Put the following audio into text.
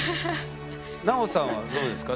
奈緒さんはどうですか？